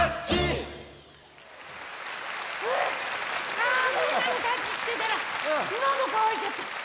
あみんなにタッチしてたらのどかわいちゃった。